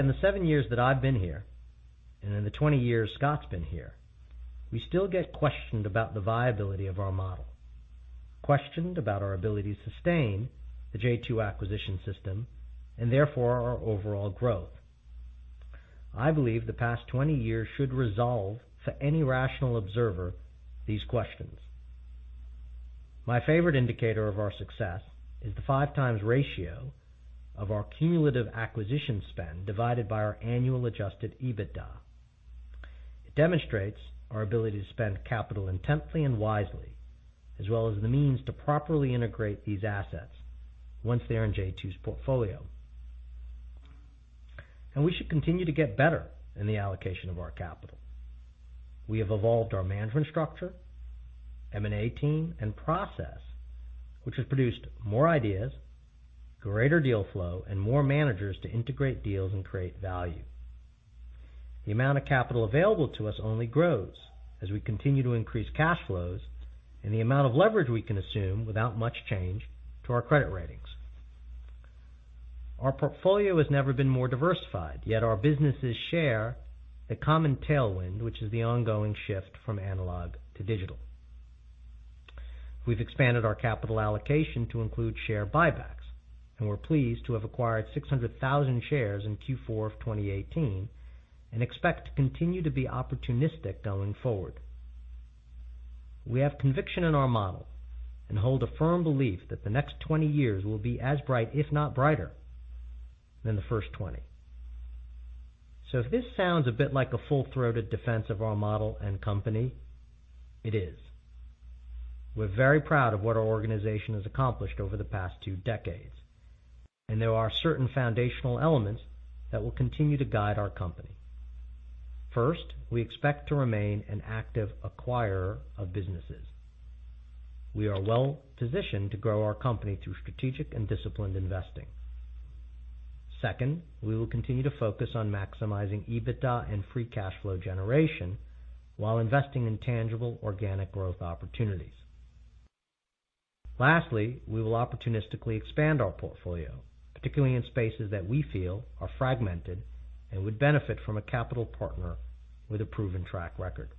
In the seven years that I've been here and in the 20 years Scott's been here, we still get questioned about the viability of our model, questioned about our ability to sustain the j2 acquisition system, and therefore our overall growth. I believe the past 20 years should resolve for any rational observer these questions. My favorite indicator of our success is the five times ratio of our cumulative acquisition spend divided by our annual adjusted EBITDA. It demonstrates our ability to spend capital intently and wisely, as well as the means to properly integrate these assets once they're in j2's portfolio. We should continue to get better in the allocation of our capital. We have evolved our management structure, M&A team, and process, which has produced more ideas, greater deal flow, and more managers to integrate deals and create value. The amount of capital available to us only grows as we continue to increase cash flows and the amount of leverage we can assume without much change to our credit ratings. Our portfolio has never been more diversified, yet our businesses share the common tailwind, which is the ongoing shift from analog to digital. We've expanded our capital allocation to include share buybacks, and we're pleased to have acquired 600,000 shares in Q4 of 2018 and expect to continue to be opportunistic going forward. We have conviction in our model and hold a firm belief that the next 20 years will be as bright, if not brighter than the first 20. If this sounds a bit like a full-throated defense of our model and company, it is. We're very proud of what our organization has accomplished over the past two decades. There are certain foundational elements that will continue to guide our company. First, we expect to remain an active acquirer of businesses. We are well-positioned to grow our company through strategic and disciplined investing. Second, we will continue to focus on maximizing EBITDA and free cash flow generation while investing in tangible organic growth opportunities. Lastly, we will opportunistically expand our portfolio, particularly in spaces that we feel are fragmented and would benefit from a capital partner with a proven track record.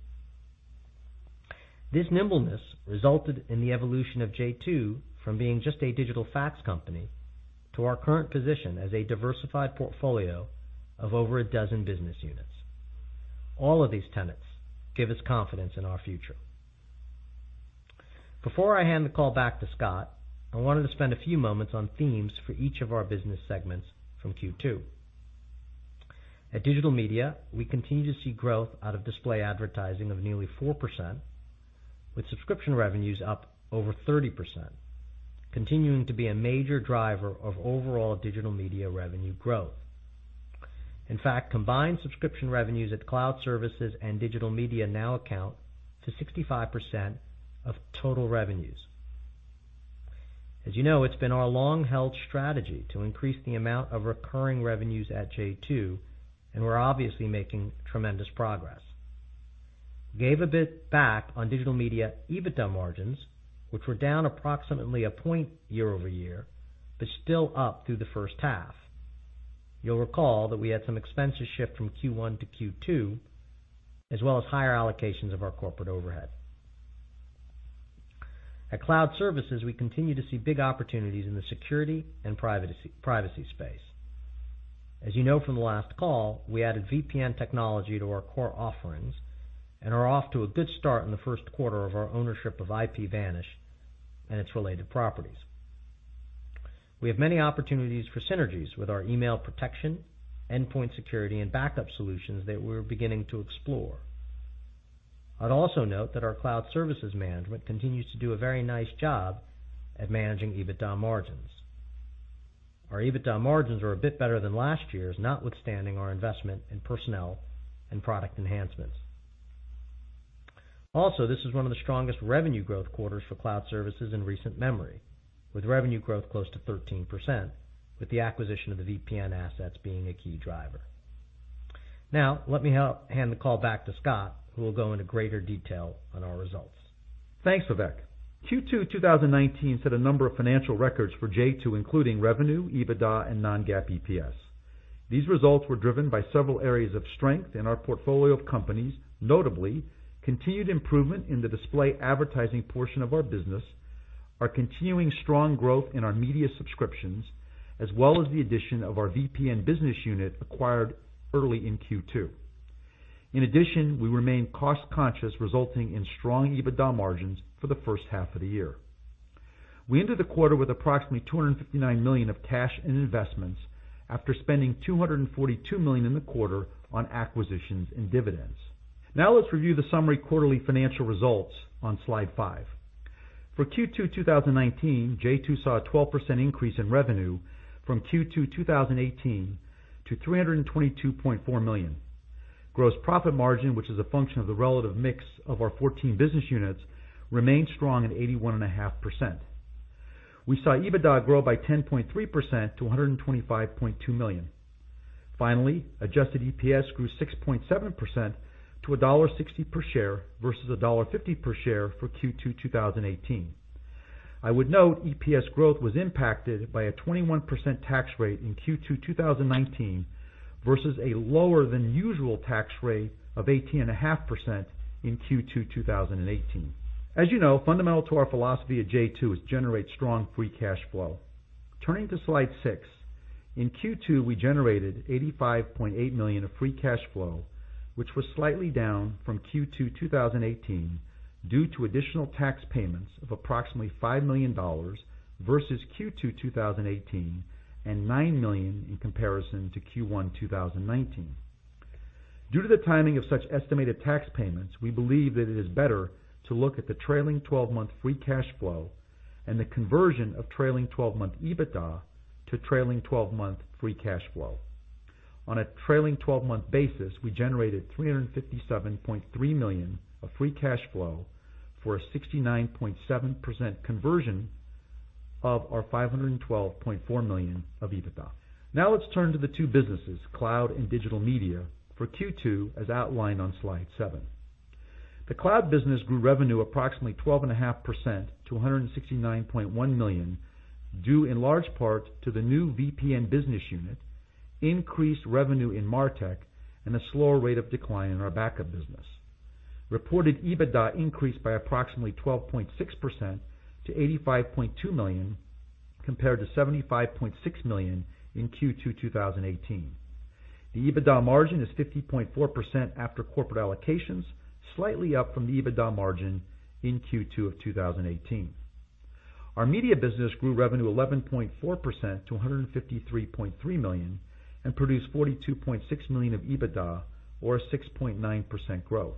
This nimbleness resulted in the evolution of j2 from being just a digital fax company to our current position as a diversified portfolio of over a dozen business units. All of these tenets give us confidence in our future. Before I hand the call back to Scott, I wanted to spend a few moments on themes for each of our business segments from Q2. At Digital Media, we continue to see growth out of display advertising of nearly 4%, with subscription revenues up over 30%, continuing to be a major driver of overall Digital Media revenue growth. In fact, combined subscription revenues at Cloud Services and Digital Media now account to 65% of total revenues. As you know, it's been our long-held strategy to increase the amount of recurring revenues at j2, and we're obviously making tremendous progress. We gave a bit back on Digital Media EBITDA margins, which were down approximately a point year-over-year, but still up through the first half. You'll recall that we had some expenses shift from Q1 to Q2, as well as higher allocations of our corporate overhead. At Cloud Services, we continue to see big opportunities in the security and privacy space. As you know from the last call, we added VPN technology to our core offerings and are off to a good start in the first quarter of our ownership of IPVanish and its related properties. We have many opportunities for synergies with our email protection, endpoint security, and backup solutions that we're beginning to explore. I'd also note that our Cloud Services management continues to do a very nice job at managing EBITDA margins. Our EBITDA margins are a bit better than last year's, notwithstanding our investment in personnel and product enhancements. Also, this is one of the strongest revenue growth quarters for Cloud Services in recent memory, with revenue growth close to 13%, with the acquisition of the VPN assets being a key driver. Now, let me hand the call back to Scott, who will go into greater detail on our results. Thanks, Vivek. Q2 2019 set a number of financial records for j2, including revenue, EBITDA, and non-GAAP EPS. These results were driven by several areas of strength in our portfolio of companies, notably continued improvement in the display advertising portion of our business, our continuing strong growth in our media subscriptions, as well as the addition of our VPN business unit acquired early in Q2. We remain cost-conscious, resulting in strong EBITDA margins for the first half of the year. We ended the quarter with approximately $259 million of cash and investments after spending $242 million in the quarter on acquisitions and dividends. Let's review the summary quarterly financial results on slide 5. For Q2 2019, j2 saw a 12% increase in revenue from Q2 2018 to $322.4 million. Gross profit margin, which is a function of the relative mix of our 14 business units, remained strong at 81.5%. We saw EBITDA grow by 10.3% to $125.2 million. Adjusted EPS grew 6.7% to $1.60 per share versus $1.50 per share for Q2 2018. I would note EPS growth was impacted by a 21% tax rate in Q2 2019 versus a lower than usual tax rate of 18.5% in Q2 2018. As you know, fundamental to our philosophy at j2 is generate strong free cash flow. Turning to slide six, in Q2, we generated $85.8 million of free cash flow, which was slightly down from Q2 2018 due to additional tax payments of approximately $5 million versus Q2 2018, and $9 million in comparison to Q1 2019. Due to the timing of such estimated tax payments, we believe that it is better to look at the trailing 12-month free cash flow and the conversion of trailing 12-month EBITDA to trailing 12-month free cash flow. On a trailing 12-month basis, we generated $357.3 million of free cash flow for a 69.7% conversion of our $512.4 million of EBITDA. Let's turn to the two businesses, cloud and digital media for Q2 as outlined on slide seven. The cloud business grew revenue approximately 12.5% to $169.1 million, due in large part to the new VPN business unit, increased revenue in MarTech, and a slower rate of decline in our backup business. Reported EBITDA increased by approximately 12.6% to $85.2 million, compared to $75.6 million in Q2 2018. The EBITDA margin is 50.4% after corporate allocations, slightly up from the EBITDA margin in Q2 of 2018. Our Digital Media business grew revenue 11.4% to $153.3 million and produced $42.6 million of EBITDA or a 6.9% growth.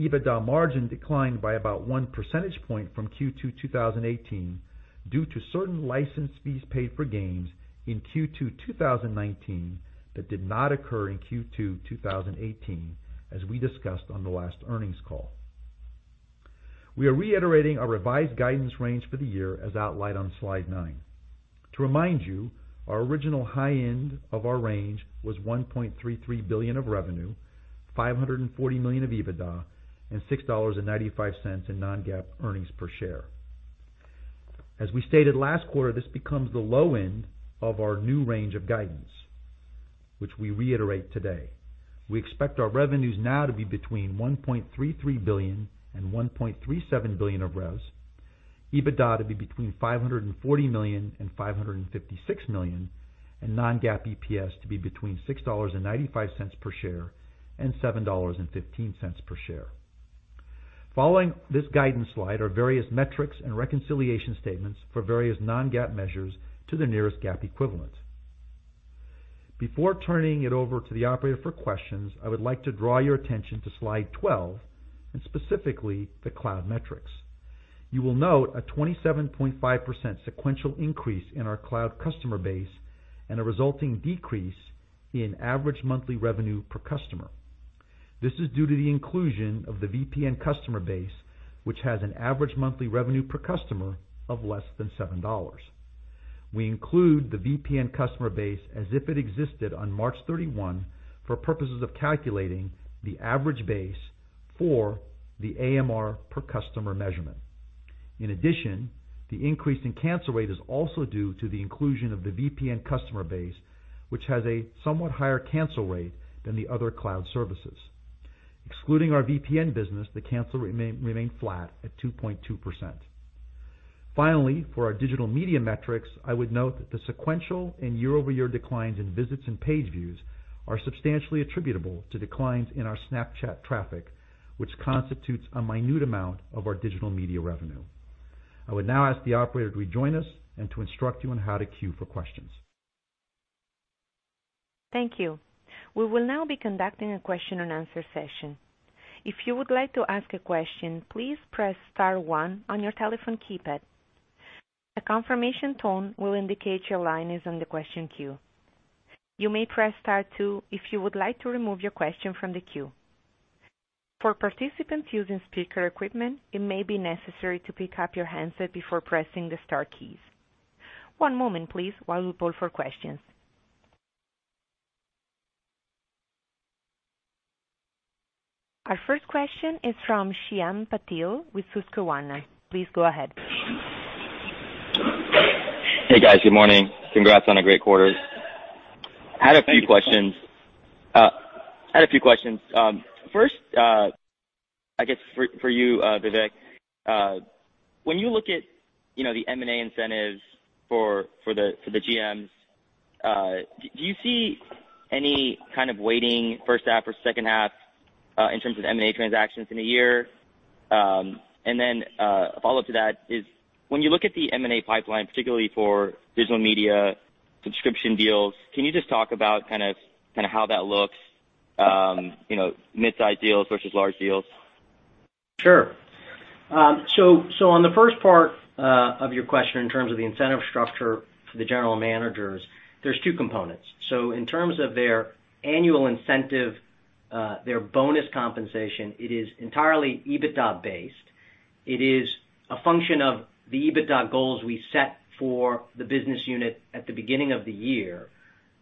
EBITDA margin declined by about one percentage point from Q2 2018 due to certain license fees paid for gains in Q2 2019 that did not occur in Q2 2018, as we discussed on the last earnings call. We are reiterating our revised guidance range for the year as outlined on slide nine. To remind you, our original high end of our range was $1.33 billion of revenue, $540 million of EBITDA and $6.95 in non-GAAP earnings per share. As we stated last quarter, this becomes the low end of our new range of guidance, which we reiterate today. We expect our revenues now to be between $1.33 billion and $1.37 billion of revs, EBITDA to be between $540 million and $556 million, and non-GAAP EPS to be between $6.95 per share and $7.15 per share. Following this guidance slide are various metrics and reconciliation statements for various non-GAAP measures to the nearest GAAP equivalent. Before turning it over to the operator for questions, I would like to draw your attention to slide 12, and specifically the cloud metrics. You will note a 27.5% sequential increase in our cloud customer base and a resulting decrease in average monthly revenue per customer. This is due to the inclusion of the VPN customer base, which has an average monthly revenue per customer of less than $7. We include the VPN customer base as if it existed on March 31 for purposes of calculating the average base for the AMR per customer measurement. In addition, the increase in cancel rate is also due to the inclusion of the VPN customer base, which has a somewhat higher cancel rate than the other Cloud Services. Excluding our VPN business, the cancel rate remained flat at 2.2%. Finally, for our Digital Media metrics, I would note that the sequential and year-over-year declines in visits and page views are substantially attributable to declines in our Snapchat traffic, which constitutes a minute amount of our Digital Media revenue. I would now ask the operator to rejoin us and to instruct you on how to queue for questions. Thank you. We will now be conducting a question and answer session. If you would like to ask a question, please press star one on your telephone keypad. A confirmation tone will indicate your line is in the question queue. You may press star two if you would like to remove your question from the queue. For participants using speaker equipment, it may be necessary to pick up your handset before pressing the star keys. One moment please while we poll for questions. Our first question is from Shyam Patil with Susquehanna. Please go ahead. Hey, guys. Good morning. Congrats on a great quarter. Thank you. I had a few questions. First, I guess for you, Vivek. When you look at the M&A incentives for the GMs, do you see any kind of weighting first half or second half in terms of M&A transactions in a year? A follow-up to that is, when you look at the M&A pipeline, particularly for Digital Media subscription deals, can you just talk about how that looks, mid-size deals versus large deals? Sure. On the first part of your question, in terms of the incentive structure for the General Managers, there's two components. In terms of their annual incentive, their bonus compensation, it is entirely EBITDA-based. It is a function of the EBITDA goals we set for the Business Unit at the beginning of the year.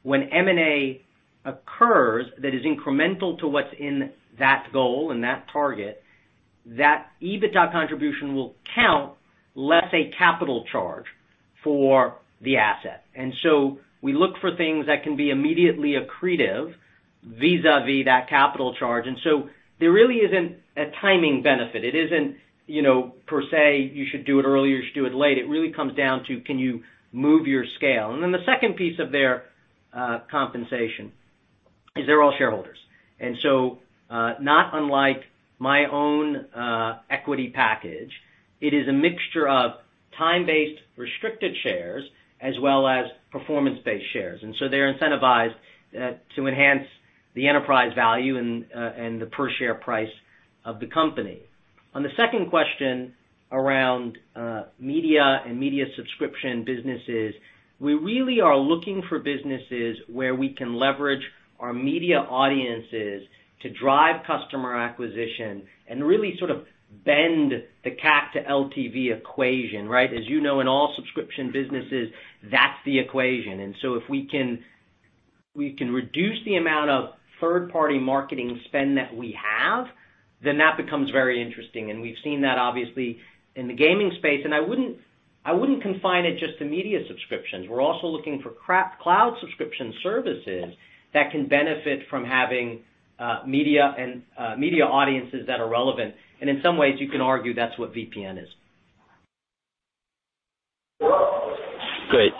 When M&A occurs that is incremental to what's in that goal and that target, that EBITDA contribution will count, let's say, capital charge for the asset. We look for things that can be immediately accretive vis-a-vis that capital charge. There really isn't a timing benefit. It isn't per se, you should do it early or you should do it late. It really comes down to can you move your scale? The second piece of their compensation is they're all shareholders. Not unlike my own equity package, it is a mixture of time-based restricted shares as well as performance-based shares. They're incentivized to enhance the enterprise value and the per-share price of the company. On the second question around media and media subscription businesses, we really are looking for businesses where we can leverage our media audiences to drive customer acquisition and really sort of bend the CAC to LTV equation, right? As you know, in all subscription businesses, that's the equation. If we can reduce the amount of third-party marketing spend that we have, then that becomes very interesting. We've seen that obviously in the gaming space. I wouldn't confine it just to media subscriptions. We're also looking for cloud subscription services that can benefit from having media audiences that are relevant. In some ways, you can argue that's what VPN is. Great.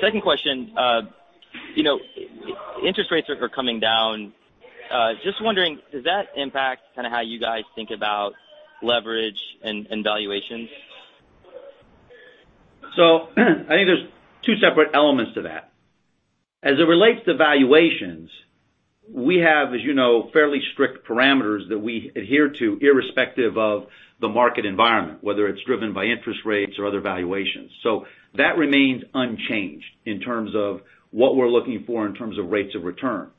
Second question. Interest rates are coming down. Just wondering, does that impact kind of how you guys think about leverage and valuations? I think there's two separate elements to that. As it relates to valuations, we have, as you know, fairly strict parameters that we adhere to irrespective of the market environment, whether it's driven by interest rates or other valuations. That remains unchanged in terms of what we're looking for in terms of rates of return.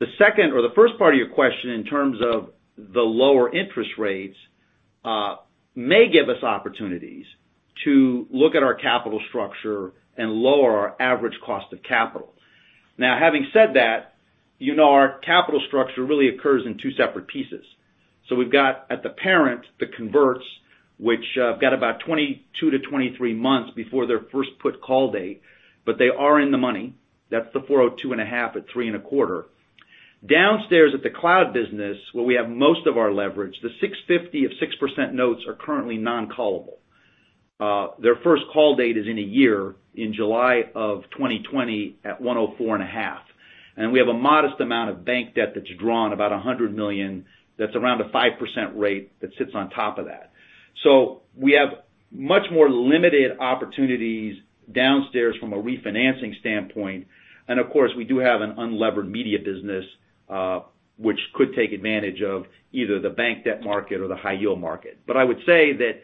The first part of your question in terms of the lower interest rates, may give us opportunities to look at our capital structure and lower our average cost of capital. Now, having said that, you know, our capital structure really occurs in two separate pieces. We've got at the parent, the converts, which have got about 22 to 23 months before their first put call date, but they are in the money. That's the $402.5 at $325. Downstairs at the Cloud Business, where we have most of our leverage, the 650 of 6% notes are currently non-callable. Their first call date is in one year in July of 2020 at 104.5. We have a modest amount of bank debt that's drawn about $100 million. That's around a 5% rate that sits on top of that. We have much more limited opportunities downstairs from a refinancing standpoint. Of course, we do have an unlevered Media Business, which could take advantage of either the bank debt market or the high yield market. I would say that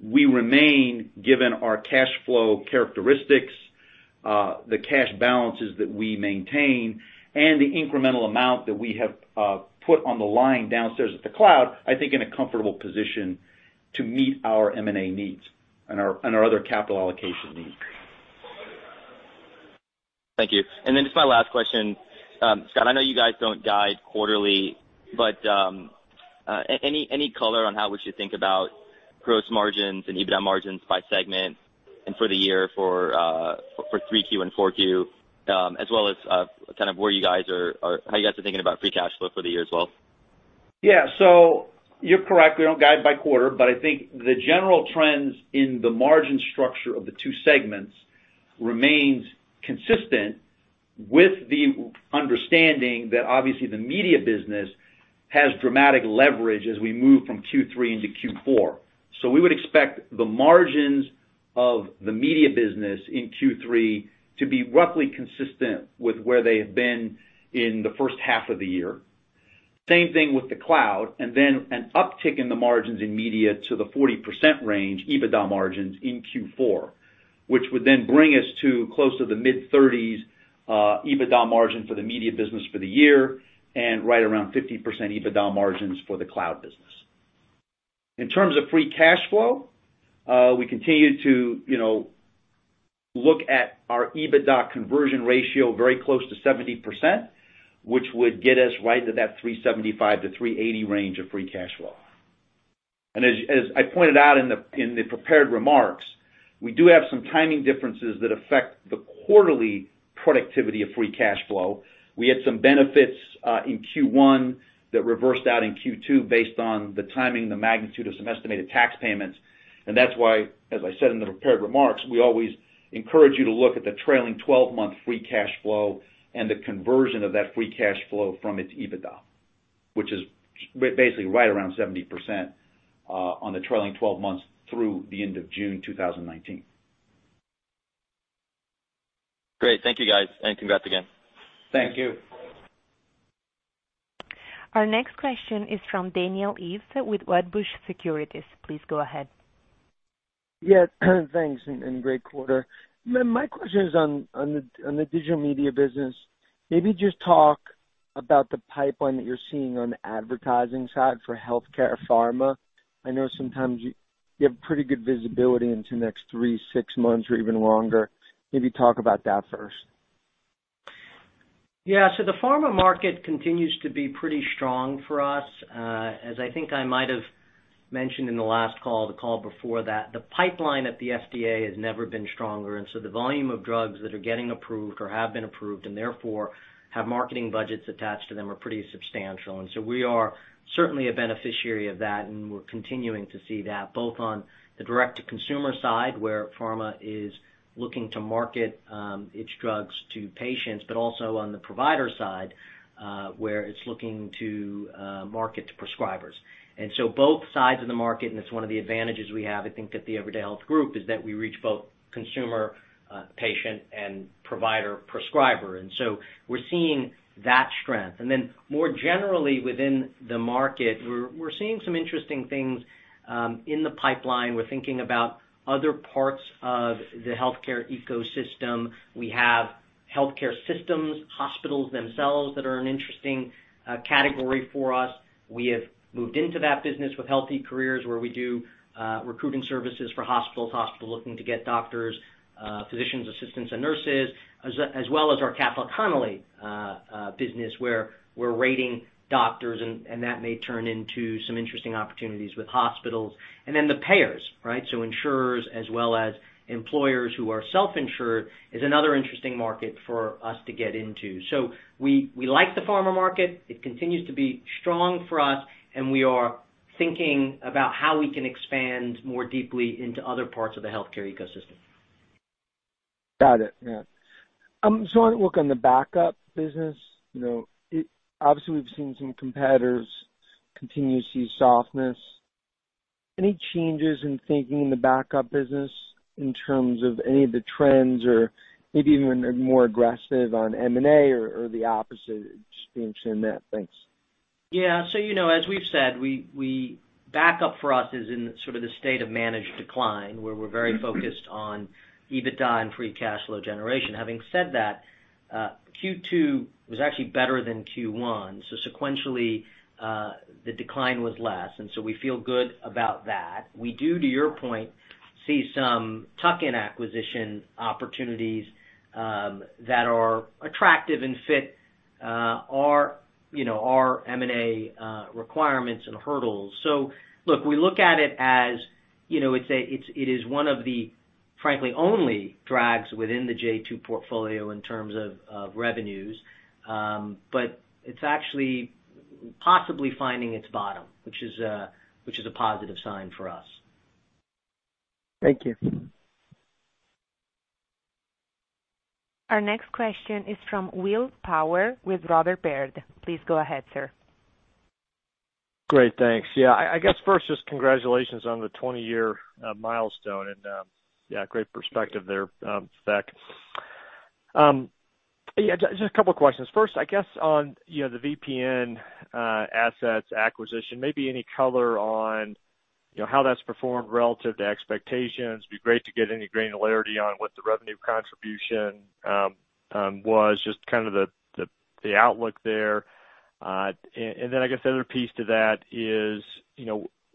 we remain, given our cash flow characteristics, the cash balances that we maintain, and the incremental amount that we have put on the line downstairs at the Cloud, I think in a comfortable position to meet our M&A needs and our other capital allocation needs. Thank you. Just my last question. Scott, I know you guys don't guide quarterly, but any color on how we should think about gross margins and EBITDA margins by segment and for the year for 3Q and 4Q, as well as how you guys are thinking about free cash flow for the year as well? You're correct, we don't guide by quarter, but I think the general trends in the margin structure of the two segments remains consistent with the understanding that obviously the media business has dramatic leverage as we move from Q3 into Q4. We would expect the margins of the media business in Q3 to be roughly consistent with where they have been in the first half of the year. Same thing with the cloud. Then an uptick in the margins in media to the 40% range, EBITDA margins in Q4, which would then bring us to close to the mid-30s EBITDA margin for the media business for the year and right around 50% EBITDA margins for the cloud business. In terms of free cash flow, we continue to look at our EBITDA conversion ratio very close to 70%, which would get us right to that $375-$380 range of free cash flow. As I pointed out in the prepared remarks, we do have some timing differences that affect the quarterly productivity of free cash flow. We had some benefits in Q1 that reversed out in Q2 based on the timing and the magnitude of some estimated tax payments. That's why, as I said in the prepared remarks, we always encourage you to look at the trailing 12-month free cash flow and the conversion of that free cash flow from its EBITDA, which is basically right around 70% on the trailing 12 months through the end of June 2019. Great. Thank you, guys. Congrats again. Thank you. Our next question is from Daniel Ives with Wedbush Securities. Please go ahead. Yeah, thanks, great quarter. My question is on the Digital Media business. Maybe just talk about the pipeline that you're seeing on the advertising side for healthcare pharma. I know sometimes you have pretty good visibility into next three, six months or even longer. Maybe talk about that first. Yeah. The pharma market continues to be pretty strong for us. As I think I might have mentioned in the last call, the call before that, the pipeline at the FDA has never been stronger. The volume of drugs that are getting approved or have been approved and therefore have marketing budgets attached to them are pretty substantial. We are certainly a beneficiary of that, and we're continuing to see that both on the direct-to-consumer side, where pharma is looking to market its drugs to patients, also on the provider side, where it's looking to market to prescribers. Both sides of the market, and it's one of the advantages we have, I think, at the Everyday Health Group, is that we reach both consumer, patient, and provider, prescriber. We're seeing that strength. More generally within the market, we're seeing some interesting things, in the pipeline. We're thinking about other parts of the healthcare ecosystem. We have healthcare systems, hospitals themselves, that are an interesting category for us. We have moved into that business with Health eCareers, where we do recruiting services for hospitals looking to get doctors, physicians, assistants, and nurses, as well as our Castle Connolly business, where we're rating doctors, and that may turn into some interesting opportunities with hospitals. The payers, right? Insurers as well as employers who are self-insured is another interesting market for us to get into. We like the pharma market. It continues to be strong for us, and we are thinking about how we can expand more deeply into other parts of the healthcare ecosystem. Got it. Yeah. I want to look on the backup business. Obviously, we've seen some competitors continue to see softness. Any changes in thinking in the backup business in terms of any of the trends or maybe even more aggressive on M&A or the opposite? Just interested in that. Thanks. Yeah. As we've said, backup for us is in sort of the state of managed decline, where we're very focused on EBITDA and free cash flow generation. Having said that, Q2 was actually better than Q1. Sequentially, the decline was less, we feel good about that. We do, to your point, see some tuck-in acquisition opportunities, that are attractive and fit our M&A requirements and hurdles. Look, we look at it as it is one of the, frankly, only drags within the j2 portfolio in terms of revenues. It's actually possibly finding its bottom, which is a positive sign for us. Thank you. Our next question is from Will Power with Robert W. Baird. Please go ahead, sir. Great. Thanks. I guess first, congratulations on the 20-year milestone, great perspective there, Vivek. Just a couple of questions. First, I guess on the VPN assets acquisition, maybe any color on how that's performed relative to expectations? It'd be great to get any granularity on what the revenue contribution was, just kind of the outlook there. I guess the other piece to that is,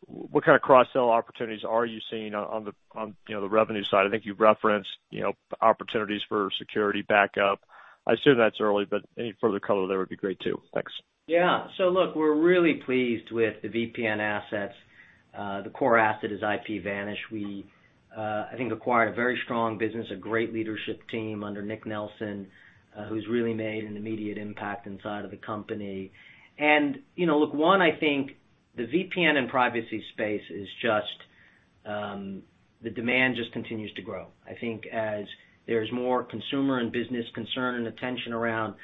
what kind of cross-sell opportunities are you seeing on the revenue side? I think you've referenced opportunities for security backup. I assume that's early, any further color there would be great, too. Thanks. Yeah. Look, we're really pleased with the VPN assets. The core asset is IPVanish. We, I think, acquired a very strong business, a great leadership team under Nick Nelson, who's really made an immediate impact inside of the company. Look, one, I think the VPN and privacy space, the demand just continues to grow. I think as there's more consumer and business concern and attention around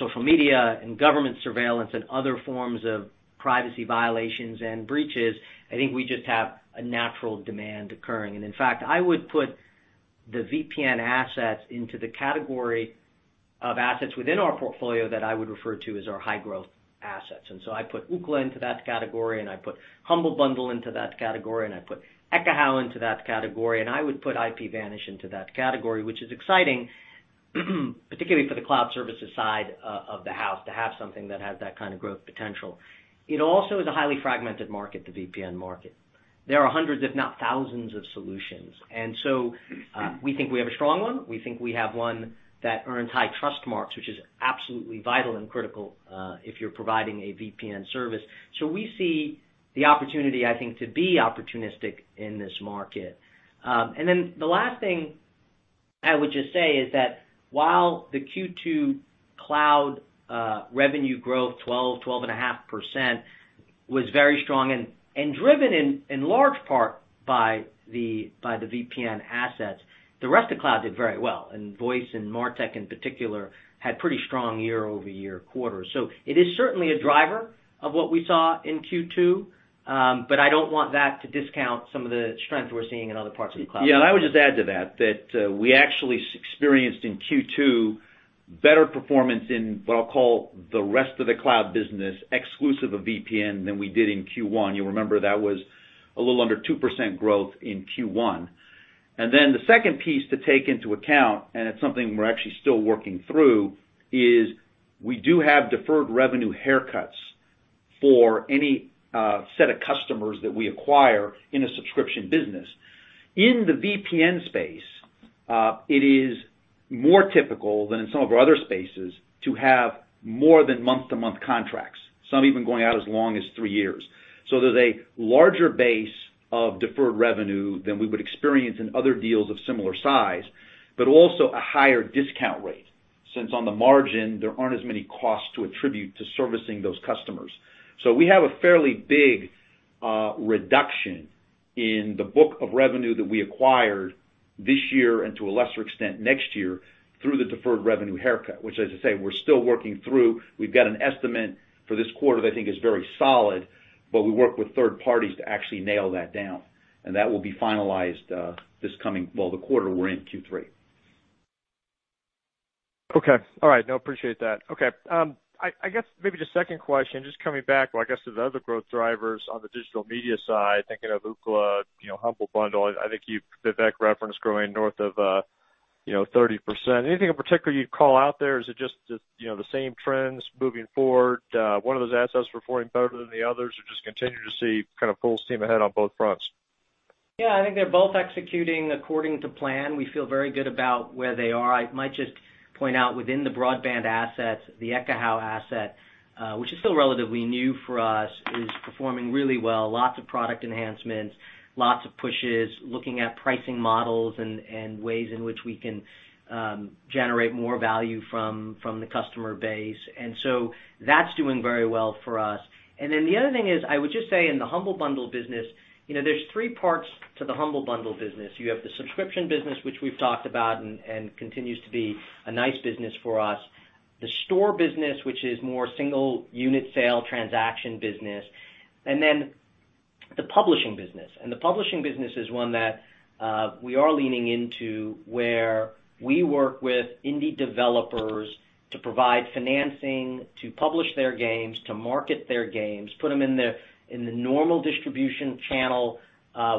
social media and government surveillance and other forms of privacy violations and breaches, I think we just have a natural demand occurring. In fact, I would put the VPN assets into the category of assets within our portfolio that I would refer to as our high-growth assets. I put Ookla into that category, I put Humble Bundle into that category, I put Ekahau into that category, I would put IPVanish into that category, which is exciting, particularly for the Cloud Services side of the house, to have something that has that kind of growth potential. It also is a highly fragmented market, the VPN market. There are hundreds, if not thousands, of solutions. We think we have a strong one. We think we have one that earns high trust marks, which is absolutely vital and critical if you're providing a VPN service. We see the opportunity, I think, to be opportunistic in this market. The last thing I would just say is that while the Q2 cloud revenue growth, 12.5%, was very strong and driven in large part by the VPN assets, the rest of cloud did very well, and Voice and MarTech in particular had pretty strong year-over-year quarters. It is certainly a driver of what we saw in Q2, but I don't want that to discount some of the strength we're seeing in other parts of the cloud. Yeah, I would just add to that we actually experienced in Q2 better performance in what I'll call the rest of the Cloud Services business exclusive of VPN than we did in Q1. You'll remember that was a little under 2% growth in Q1. The second piece to take into account, and it's something we're actually still working through, is we do have deferred revenue haircuts for any set of customers that we acquire in a subscription business. In the VPN space, it is more typical than in some of our other spaces to have more than month-to-month contracts, some even going out as long as three years. There's a larger base of deferred revenue than we would experience in other deals of similar size, but also a higher discount rate, since on the margin, there aren't as many costs to attribute to servicing those customers. We have a fairly big reduction in the book of revenue that we acquired this year and to a lesser extent next year through the deferred revenue haircut, which as I say, we're still working through. We've got an estimate for this quarter that I think is very solid, but we work with third parties to actually nail that down, and that will be finalized the quarter we're in Q3. Okay. All right. No, appreciate that. Okay. I guess maybe just second question, just coming back, well, I guess to the other growth drivers on the Digital Media side, thinking of Ookla, Humble Bundle, I think you, Vivek, referenced growing north of 30%. Anything in particular you'd call out there? Is it just the same trends moving forward, one of those assets performing better than the others, or just continue to see kind of full steam ahead on both fronts? Yeah, I think they're both executing according to plan. We feel very good about where they are. I might just point out within the broadband assets, the Ekahau asset, which is still relatively new for us, is performing really well. Lots of product enhancements, lots of pushes, looking at pricing models and ways in which we can generate more value from the customer base. That's doing very well for us. The other thing is, I would just say in the Humble Bundle business, there's three parts to the Humble Bundle business. You have the subscription business, which we've talked about and continues to be a nice business for us. The store business, which is more single unit sale transaction business, and then the publishing business. The publishing business is one that we are leaning into where we work with indie developers to provide financing to publish their games, to market their games, put them in the normal distribution channel,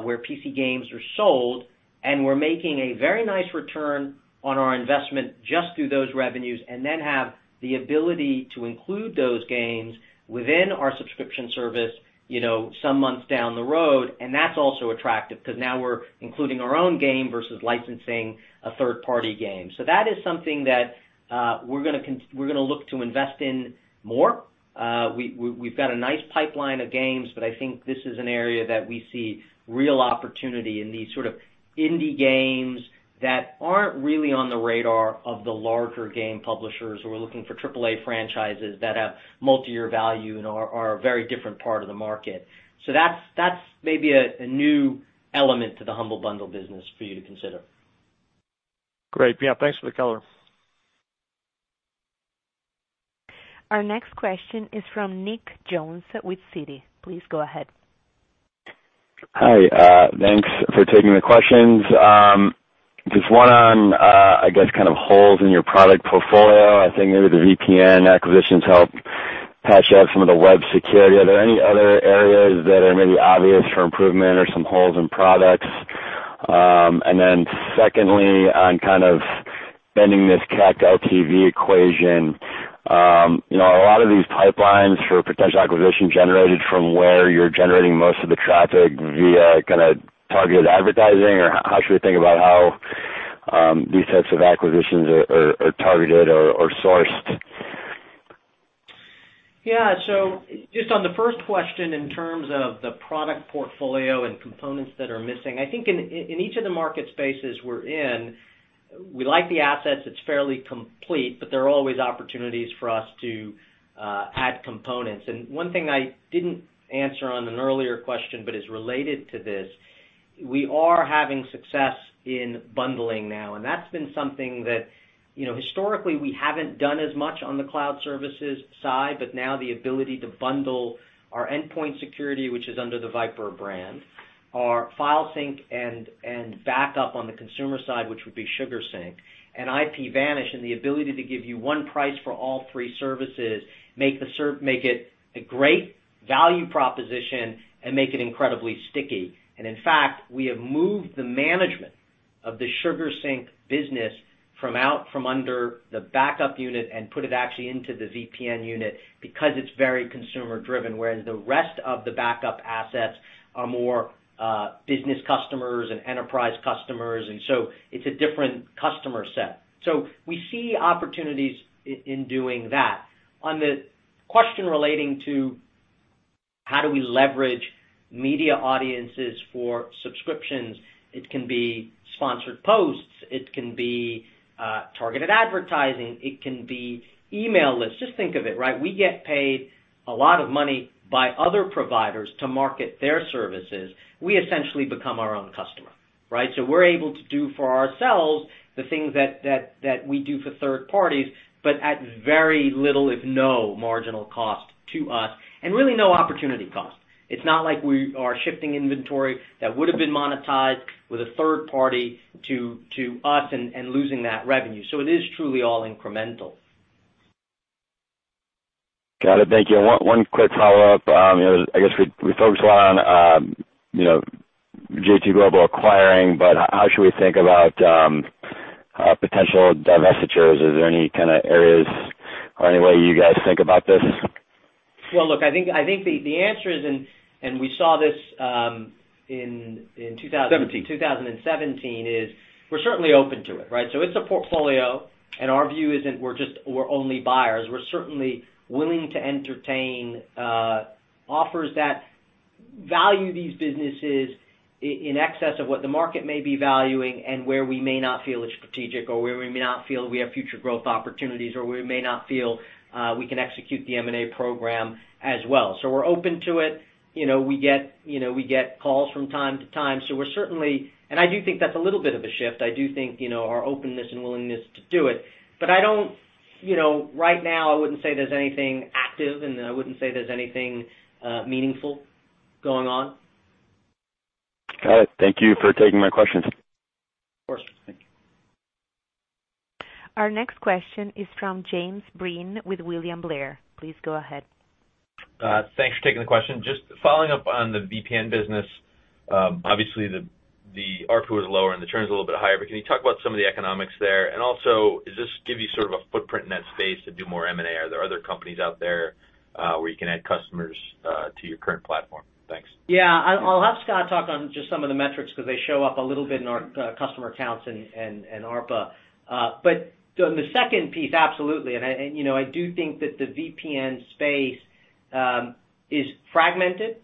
where PC games are sold. We're making a very nice return on our investment just through those revenues, and then have the ability to include those games within our subscription service some months down the road. That's also attractive because now we're including our own game versus licensing a third-party game. That is something that we're going to look to invest in more. We've got a nice pipeline of games, but I think this is an area that we see real opportunity in these sort of indie games that aren't really on the radar of the larger game publishers who are looking for AAA franchises that have multi-year value and are a very different part of the market. That's maybe a new element to the Humble Bundle business for you to consider. Great. Yeah. Thanks for the color. Our next question is from Nick Jones with Citi. Please go ahead. Hi. Thanks for taking the questions. Just one on, I guess, kind of holes in your product portfolio. I think maybe the VPN acquisitions help patch up some of the web security. Are there any other areas that are maybe obvious for improvement or some holes in products? Secondly, on kind of bending this CAC LTV equation. Are a lot of these pipelines for potential acquisition generated from where you're generating most of the traffic via targeted advertising? How should we think about how these types of acquisitions are targeted or sourced? Yeah. Just on the first question, in terms of the product portfolio and components that are missing, I think in each of the market spaces we're in, we like the assets. It's fairly complete, there are always opportunities for us to add components. One thing I didn't answer on an earlier question, but is related to this, we are having success in bundling now, and that's been something that historically we haven't done as much on the Cloud Services side, but now the ability to bundle our endpoint security, which is under the VIPRE brand, our file sync and backup on the consumer side, which would be SugarSync and IPVanish, and the ability to give you one price for all three services, make it a great value proposition and make it incredibly sticky. In fact, we have moved the management of the SugarSync business from under the backup unit and put it actually into the VPN unit because it's very consumer-driven, whereas the rest of the backup assets are more business customers and enterprise customers. It's a different customer set. We see opportunities in doing that. On the question relating to how do we leverage media audiences for subscriptions, it can be sponsored posts, it can be targeted advertising, it can be email lists. Just think of it, right? We get paid a lot of money by other providers to market their services. We essentially become our own customer, right? We're able to do for ourselves the things that we do for third parties, but at very little, if no marginal cost to us and really no opportunity cost. It's not like we are shifting inventory that would have been monetized with a third party to us and losing that revenue. It is truly all incremental. Got it. Thank you. One quick follow-up. I guess we focus a lot on j2 Global acquiring, but how should we think about potential divestitures? Is there any kind of areas or any way you guys think about this? Look, I think the answer is, and we saw this in 2017, is we're certainly open to it, right? It's a portfolio, and our view isn't we're only buyers. We're certainly willing to entertain offers that value these businesses in excess of what the market may be valuing and where we may not feel it's strategic, or where we may not feel we have future growth opportunities, or where we may not feel we can execute the M&A program as well. We're open to it. We get calls from time to time. We're certainly. I do think that's a little bit of a shift, I do think, our openness and willingness to do it. Right now, I wouldn't say there's anything active, and I wouldn't say there's anything meaningful going on. Got it. Thank you for taking my questions. Of course. Thank you. Our next question is from James Breen with William Blair. Please go ahead. Thanks for taking the question. Just following up on the VPN business. Obviously, the ARPU is lower and the churn is a little bit higher, but can you talk about some of the economics there? Also, does this give you sort of a footprint in that space to do more M&A, or are there other companies out there where you can add customers to your current platform? Thanks. Yeah. I'll have Scott talk on just some of the metrics because they show up a little bit in our customer counts and ARPA. On the second piece, absolutely, and I do think that the VPN space is fragmented,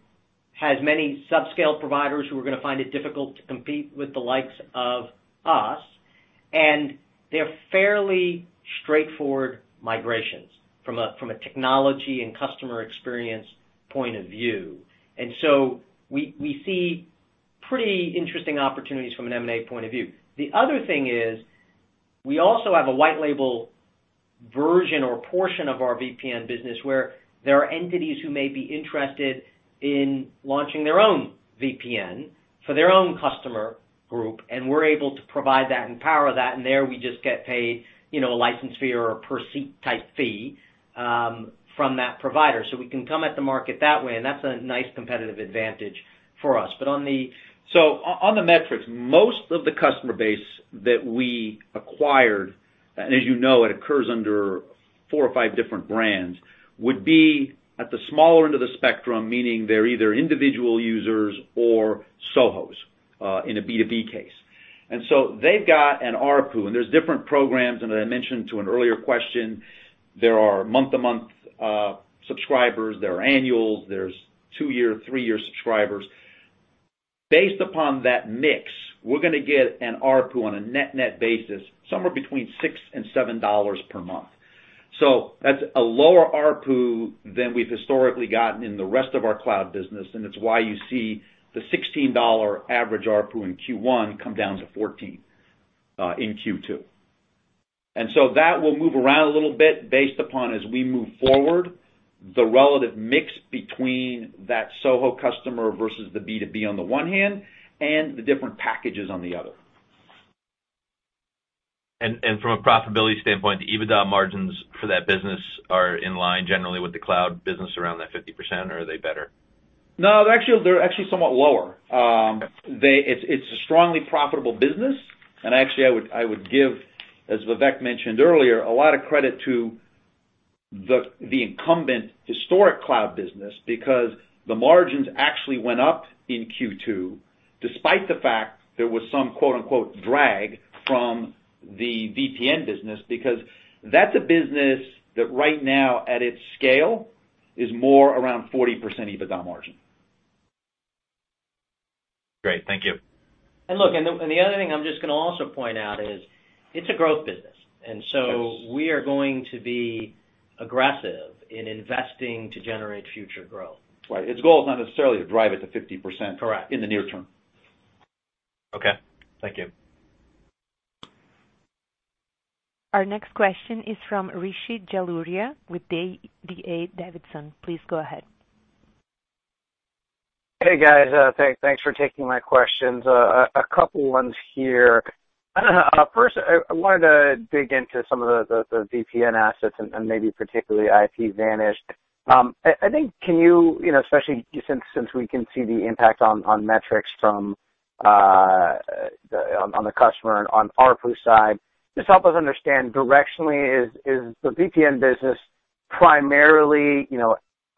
has many sub-scale providers who are going to find it difficult to compete with the likes of us, and they're fairly straightforward migrations from a technology and customer experience point of view. We see pretty interesting opportunities from an M&A point of view. The other thing is, we also have a white label version or portion of our VPN business where there are entities who may be interested in launching their own VPN for their own customer group, and we're able to provide that and power that, and there we just get paid a license fee or a per-seat type fee from that provider. We can come at the market that way, and that's a nice competitive advantage for us. On the metrics, most of the customer base that we acquired, as you know, it occurs under four or five different brands, would be at the smaller end of the spectrum, meaning they're either individual users or SOHOs, in a B2B case. They've got an ARPU, and there's different programs. As I mentioned to an earlier question, there are month-to-month subscribers, there are annuals, there's two-year, three-year subscribers. Based upon that mix, we're going to get an ARPU on a net-net basis, somewhere between $6 and $7 per month. That's a lower ARPU than we've historically gotten in the rest of our cloud business, and it's why you see the $16 average ARPU in Q1 come down to $14, in Q2. That will move around a little bit based upon, as we move forward, the relative mix between that SOHO customer versus the B2B on the one hand, and the different packages on the other. From a profitability standpoint, the EBITDA margins for that business are in line generally with the cloud business around that 50%, or are they better? No, they're actually somewhat lower. Okay. It's a strongly profitable business, and actually, I would give, as Vivek mentioned earlier, a lot of credit to the incumbent historic cloud business because the margins actually went up in Q2 despite the fact there was some "drag" from the VPN business because that's a business that right now, at its scale, is more around 40% EBITDA margin. Great. Thank you. Look, and the other thing I'm just going to also point out is it's a growth business. Yes We are going to be aggressive in investing to generate future growth. Right. Its goal is not necessarily to drive it to 50%- Correct in the near term. Okay. Thank you. Our next question is from Rishi Jaluria with D.A. Davidson. Please go ahead. Hey, guys. Thanks for taking my questions. A couple ones here. First, I wanted to dig into some of the VPN assets and maybe particularly IPVanish. I think, especially since we can see the impact on metrics on the customer and on ARPU side, just help us understand directionally, is the VPN business primarily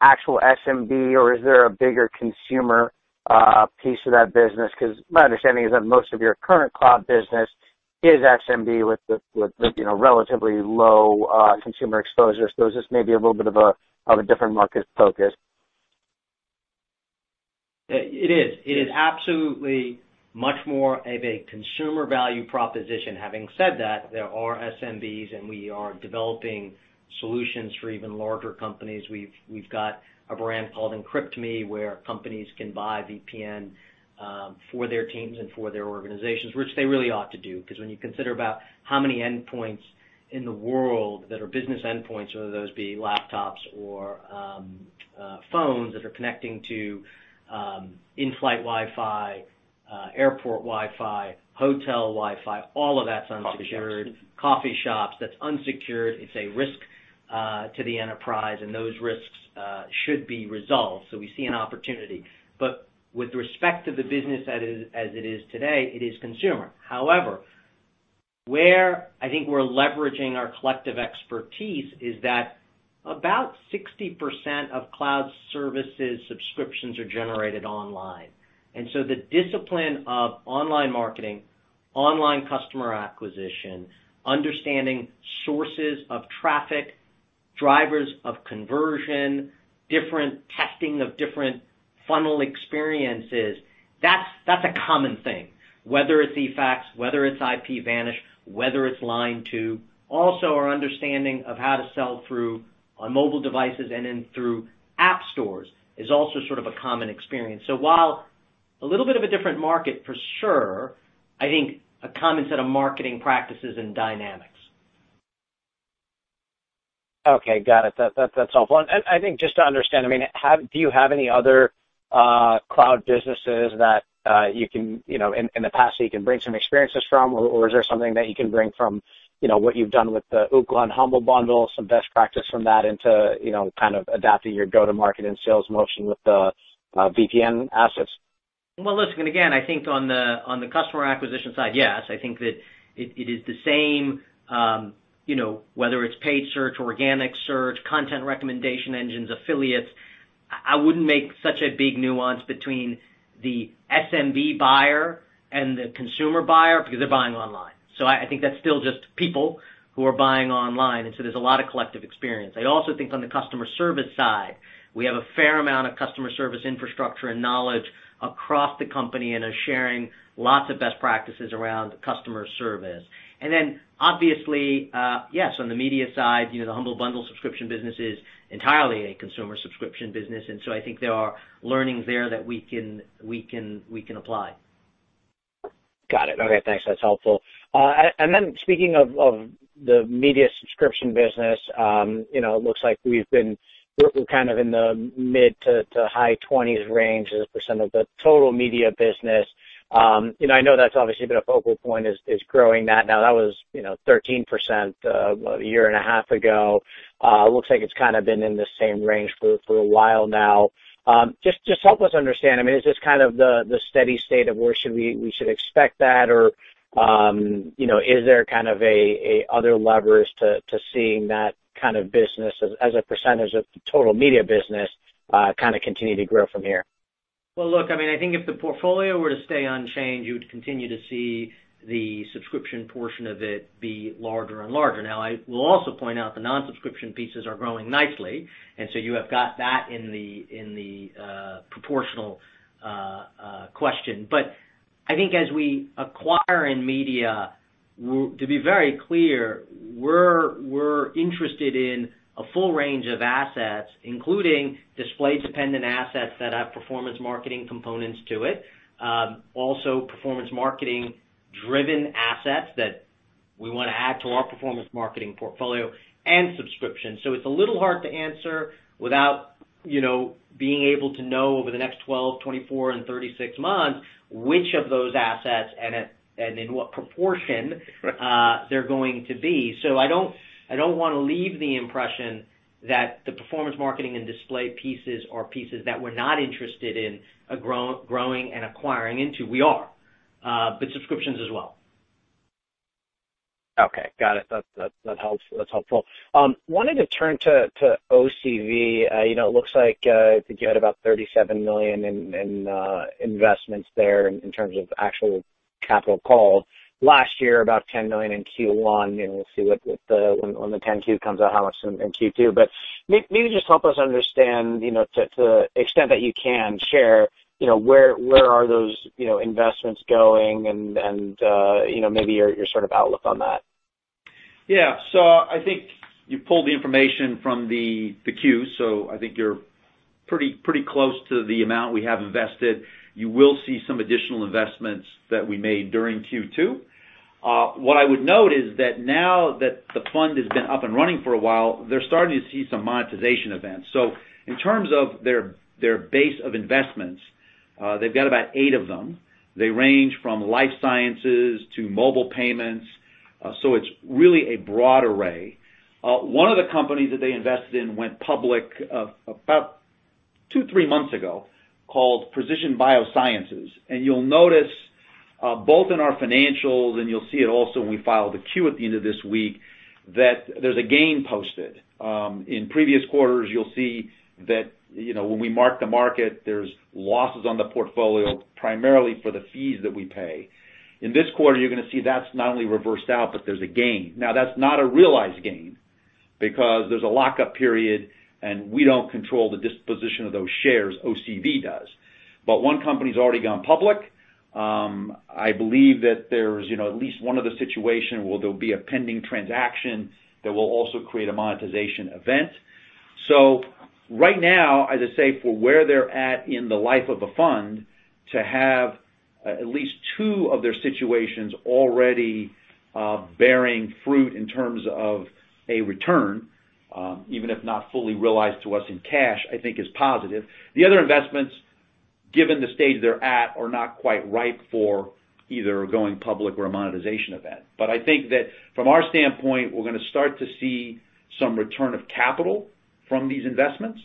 actual SMB, or is there a bigger consumer piece to that business? My understanding is that most of your current cloud business is SMB with relatively low consumer exposure. This may be a little bit of a different market focus. It is. Yes. It is absolutely much more of a consumer value proposition. Having said that, there are SMBs, and we are developing solutions for even larger companies. We've got a brand called EncryptMe, where companies can buy VPN for their teams and for their organizations, which they really ought to do, because when you consider about how many endpoints in the world that are business endpoints, whether those be laptops or phones that are connecting to in-flight Wi-Fi, airport Wi-Fi, hotel Wi-Fi, all of that's unsecured Coffee shops. Coffee shops. That's unsecured. It's a risk to the enterprise, and those risks should be resolved. We see an opportunity. With respect to the business as it is today, it is consumer. However, where I think we're leveraging our collective expertise is that about 60% of Cloud Services subscriptions are generated online. The discipline of online marketing, online customer acquisition, understanding sources of traffic, drivers of conversion, different testing of different funnel experiences, that's a common thing, whether it's eFax, whether it's IPVanish, whether it's Line2. Also, our understanding of how to sell through on mobile devices and then through app stores is also sort of a common experience. While a little bit of a different market for sure, I think a common set of marketing practices and dynamics. Okay. Got it. That's helpful. I think just to understand, do you have any other cloud businesses that in the past that you can bring some experiences from, or is there something that you can bring from what you've done with the Ookla and Humble Bundle, some best practice from that into kind of adapting your go-to-market and sales motion with the VPN assets? Well, listen, again, I think on the customer acquisition side, yes. I think that it is the same, whether it's paid search, organic search, content recommendation engines, affiliates. I wouldn't make such a big nuance between the SMB buyer and the consumer buyer because they're buying online. I think that's still just people who are buying online, and so there's a lot of collective experience. I also think on the customer service side, we have a fair amount of customer service infrastructure and knowledge across the company, and are sharing lots of best practices around customer service. Obviously, yes, on the media side, the Humble Bundle subscription business is entirely a consumer subscription business. I think there are learnings there that we can apply. Got it. Okay, thanks. That's helpful. Speaking of the Digital Media subscription business, looks like we've been working kind of in the mid to high 20s range as a percent of the total Digital Media business. I know that's obviously been a focal point, is growing that. That was 13% a year and a half ago. Looks like it's kind of been in the same range for a while now. Just help us understand, I mean, is this kind of the steady state of where we should expect that, or is there kind of other levers to seeing that kind of business as a percent of the total Digital Media business, kind of continue to grow from here? Well, look, I think if the portfolio were to stay unchanged, you would continue to see the subscription portion of it be larger and larger. Now, I will also point out the non-subscription pieces are growing nicely, and so you have got that in the proportional question. I think as we acquire in media, to be very clear, we're interested in a full range of assets, including display-dependent assets that have performance marketing components to it. Also, performance marketing-driven assets that we want to add to our performance marketing portfolio and subscription. It's a little hard to answer without being able to know over the next 12, 24 and 36 months which of those assets and in what proportion- Right they're going to be. I don't want to leave the impression that the performance marketing and display pieces are pieces that we're not interested in growing and acquiring into. We are. Subscriptions as well. Okay, got it. That's helpful. Wanted to turn to OCV. It looks like, I think you had about $37 million in investments there in terms of actual capital called. Last year, about $10 million in Q1, and we'll see when the 10-Q comes out, how much in Q2. Maybe just help us understand, to the extent that you can share, where are those investments going and maybe your sort of outlook on that. I think you pulled the information from the Q, so I think you're pretty close to the amount we have invested. You will see some additional investments that we made during Q2. What I would note is that now that the fund has been up and running for a while, they're starting to see some monetization events. In terms of their base of investments, they've got about eight of them. They range from life sciences to mobile payments. It's really a broad array. One of the companies that they invested in went public about two, three months ago, called Precision BioSciences. You'll notice, both in our financials and you'll see it also when we file the Q at the end of this week, that there's a gain posted. In previous quarters, you'll see that when we mark the market, there's losses on the portfolio, primarily for the fees that we pay. In this quarter, you're going to see that's not only reversed out, but there's a gain. That's not a realized gain because there's a lockup period and we don't control the disposition of those shares, OCV does. One company's already gone public. I believe that there's at least one other situation where there'll be a pending transaction that will also create a monetization event. Right now, as I say, for where they're at in the life of a fund, at least two of their situations already bearing fruit in terms of a return, even if not fully realized to us in cash, I think is positive. The other investments, given the stage they're at, are not quite ripe for either going public or a monetization event. I think that from our standpoint, we're going to start to see some return of capital from these investments.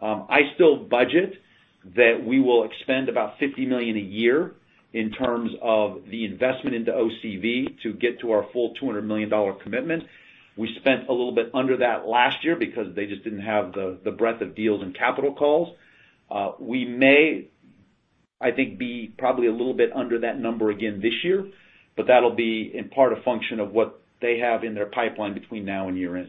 I still budget that we will expend about $50 million a year in terms of the investment into OCV to get to our full $200 million commitment. We spent a little bit under that last year because they just didn't have the breadth of deals and capital calls. We may, I think, be probably a little bit under that number again this year, but that'll be in part a function of what they have in their pipeline between now and year-end.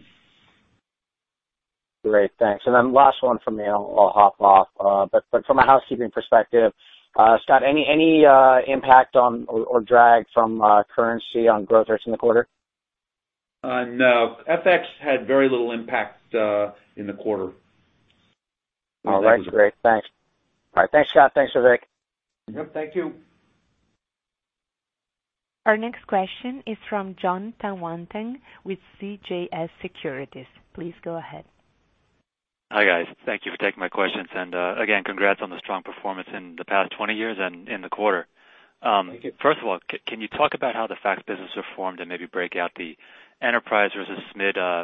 Great, thanks. Last one from me, and I'll hop off. From a housekeeping perspective, Scott, any impact on or drag from currency on growth rates in the quarter? No. FX had very little impact in the quarter. All right, great. Thanks. All right. Thanks, Scott. Thanks, Vivek. Yep, thank you. Our next question is from Jon Tanwanteng with CJS Securities. Please go ahead. Hi, guys. Thank you for taking my questions. Again, congrats on the strong performance in the past 20 years and in the quarter. Thank you. First of all, can you talk about how the fax business performed and maybe break out the enterprise versus SMB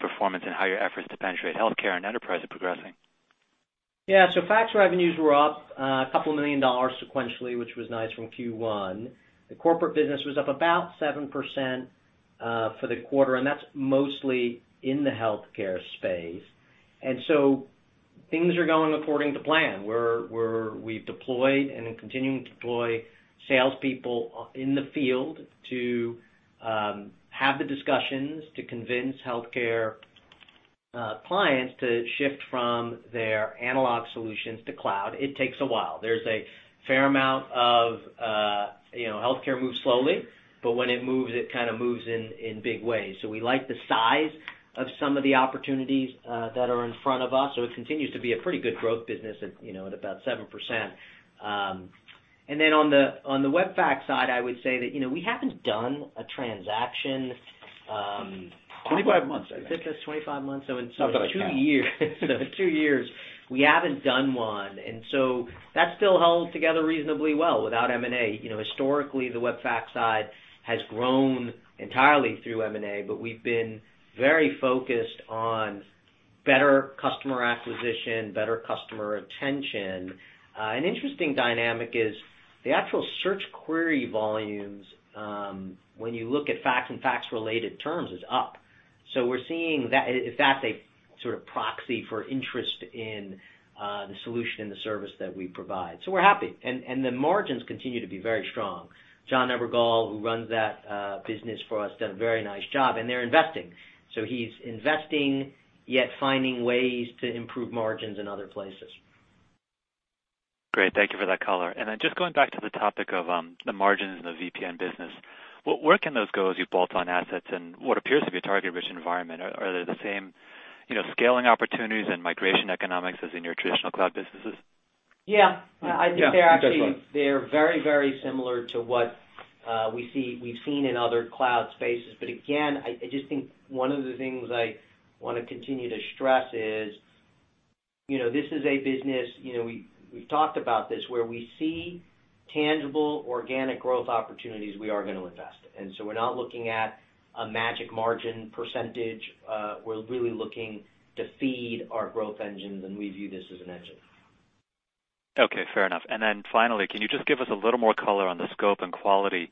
performance and how your efforts to penetrate healthcare and enterprise are progressing? Yeah. Fax revenues were up a couple of million dollars sequentially, which was nice from Q1. The corporate business was up about 7% for the quarter, that's mostly in the healthcare space. Things are going according to plan. We've deployed and are continuing to deploy salespeople in the field to have the discussions to convince healthcare clients to shift from their analog solutions to cloud. It takes a while. There's a fair amount. Healthcare moves slowly, when it moves, it kind of moves in big ways. We like the size of some of the opportunities that are in front of us. It continues to be a pretty good growth business at about 7%. On the web fax side, I would say that we haven't done a transaction- 25 months, I think. since 25 months. In two years, we haven't done one. That still holds together reasonably well without M&A. Historically, the web fax side has grown entirely through M&A, but we've been very focused on better customer acquisition, better customer retention. An interesting dynamic is the actual search query volumes, when you look at fax and fax-related terms, is up. We're seeing that as a sort of proxy for interest in the solution and the service that we provide. We're happy. The margins continue to be very strong. John Evergall, who runs that business for us, does a very nice job, and they're investing. He's investing, yet finding ways to improve margins in other places. Great. Thank you for that color. Just going back to the topic of the margins in the VPN business, where can those go as you bolt on assets in what appears to be a target-rich environment? Are they the same scaling opportunities and migration economics as in your traditional cloud businesses? Yeah. I think they're actually very, very similar to what we've seen in other cloud spaces. Again, I just think one of the things I want to continue to stress is, this is a business, we've talked about this, where we see tangible organic growth opportunities we are going to invest in. We're not looking at a magic margin percentage. We're really looking to feed our growth engines, and we view this as an engine. Okay, fair enough. Finally, can you just give us a little more color on the scope and quality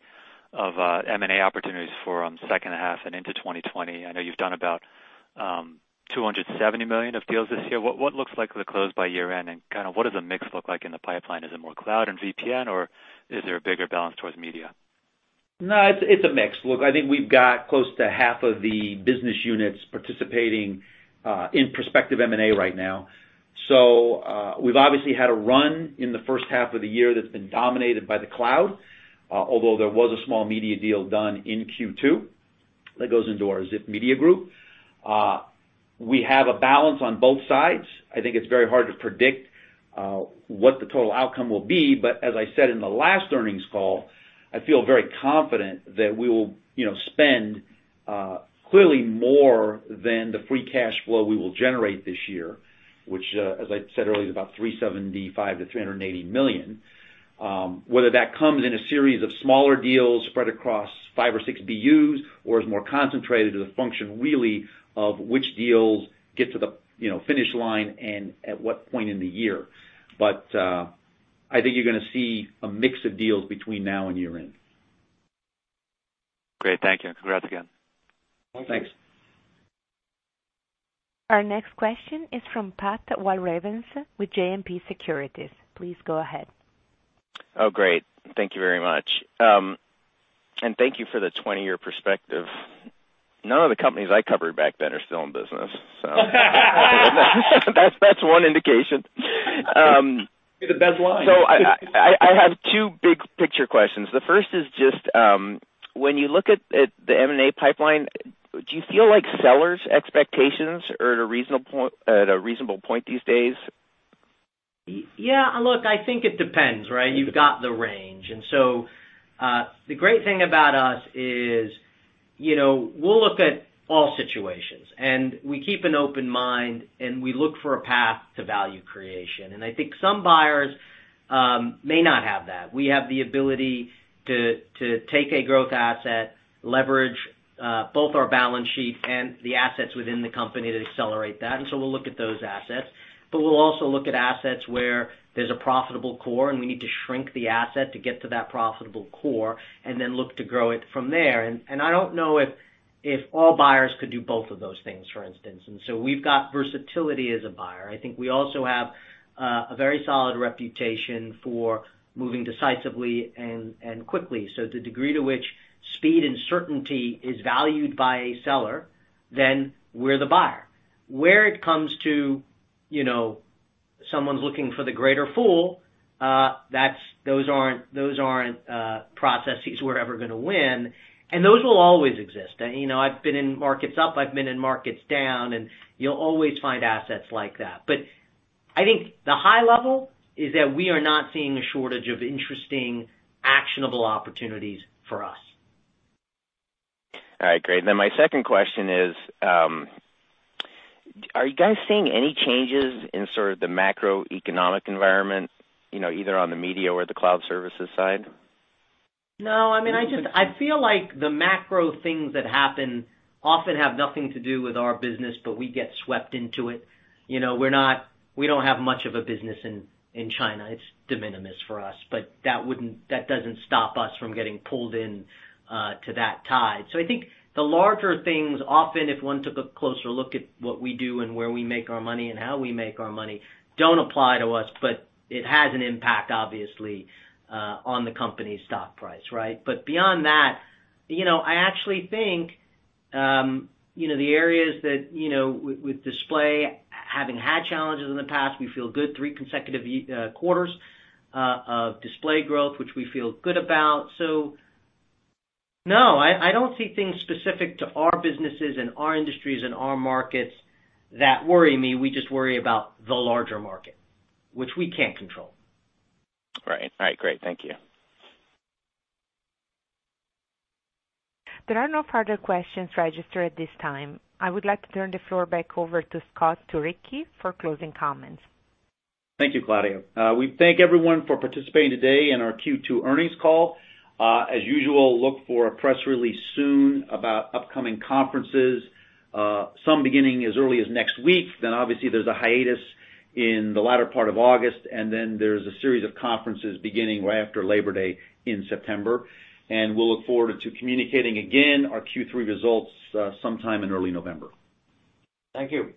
of M&A opportunities for second half and into 2020? I know you've done about $270 million of deals this year. What looks likely to close by year-end, what does the mix look like in the pipeline? Is it more cloud and VPN, or is there a bigger balance towards media? No, it's a mix. Look, I think we've got close to half of the business units participating in prospective M&A right now. We've obviously had a run in the first half of the year that's been dominated by the cloud. Although there was a small media deal done in Q2 that goes into our Ziff Media Group. We have a balance on both sides. I think it's very hard to predict what the total outcome will be, but as I said in the last earnings call, I feel very confident that we will spend clearly more than the free cash flow we will generate this year, which, as I said earlier, is about $375 million-$380 million. Whether that comes in a series of smaller deals spread across five or six BUs or is more concentrated is a function really of which deals get to the finish line and at what point in the year. I think you're going to see a mix of deals between now and year-end. Great. Thank you, and congrats again. Thanks. Our next question is from Pat Walravens with JMP Securities. Please go ahead. Oh, great. Thank you very much. Thank you for the 20-year perspective. None of the companies I covered back then are still in business. That's one indication. That's a bad line. I have two big-picture questions. The first is just, when you look at the M&A pipeline, do you feel like sellers' expectations are at a reasonable point these days? Yeah, look, I think it depends, right? You've got the range. The great thing about us is, we'll look at all situations, and we keep an open mind, and we look for a path to value creation. I think some buyers may not have that. We have the ability to take a growth asset, leverage both our balance sheet and the assets within the company to accelerate that. We'll look at those assets. We'll also look at assets where there's a profitable core, and we need to shrink the asset to get to that profitable core and then look to grow it from there. I don't know if all buyers could do both of those things, for instance. We've got versatility as a buyer. I think we also have a very solid reputation for moving decisively and quickly. To the degree to which speed and certainty is valued by a seller, we're the buyer. Where it comes to someone's looking for the greater fool, those aren't processes we're ever going to win, those will always exist. I've been in markets up, I've been in markets down, you'll always find assets like that. I think the high level is that we are not seeing a shortage of interesting, actionable opportunities for us. All right, great. My second question is, are you guys seeing any changes in sort of the macroeconomic environment, either on the Media or the Cloud Services side? I feel like the macro things that happen often have nothing to do with our business, but we get swept into it. We don't have much of a business in China. It's de minimis for us. That doesn't stop us from getting pulled in to that tide. I think the larger things, often, if one took a closer look at what we do and where we make our money and how we make our money, don't apply to us, but it has an impact, obviously, on the company's stock price, right? Beyond that, I actually think, the areas that with display, having had challenges in the past, we feel good, three consecutive quarters of display growth, which we feel good about. No, I don't see things specific to our businesses and our industries and our markets that worry me. We just worry about the larger market, which we can't control. Right. All right, great. Thank you. There are no further questions registered at this time. I would like to turn the floor back over to Scott Turicchi for closing comments. Thank you, Claudia. We thank everyone for participating today in our Q2 earnings call. As usual, look for a press release soon about upcoming conferences, some beginning as early as next week. Obviously, there's a hiatus in the latter part of August, and then there's a series of conferences beginning right after Labor Day in September. We'll look forward to communicating again our Q3 results sometime in early November. Thank you.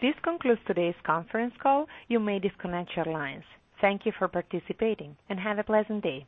This concludes today's conference call. You may disconnect your lines. Thank you for participating, and have a pleasant day.